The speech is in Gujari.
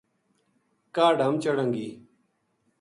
کاہڈ ہم چڑھاں گی ‘‘